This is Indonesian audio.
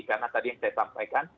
karena tadi yang saya sampaikan